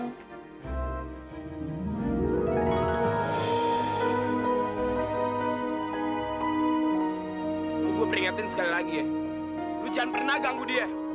lo gua peringetin sekali lagi ya lo jangan pernah ganggu dia